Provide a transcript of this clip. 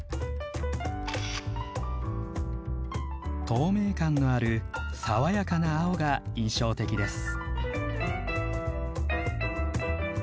透明感のある爽やかな青が印象的です。